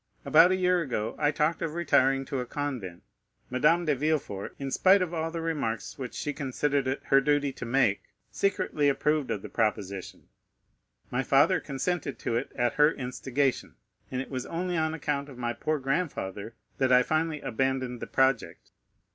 About a year ago, I talked of retiring to a convent. Madame de Villefort, in spite of all the remarks which she considered it her duty to make, secretly approved of the proposition, my father consented to it at her instigation, and it was only on account of my poor grandfather that I finally abandoned the project.